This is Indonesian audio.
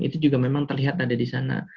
itu juga memang terlihat ada di sana